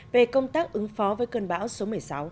về công tác ứng phó với cơn bão số một mươi sáu